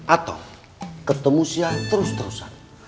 atau ketemu sia terus terusan